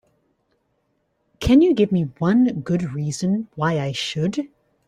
Can you give me one good reason why I should?